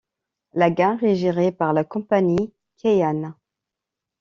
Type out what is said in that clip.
La gare est gérée par la compagnie Keihan.